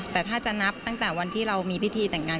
แต่ถ้าจะนับตั้งแต่วันที่เรามีพิธีแต่งงาน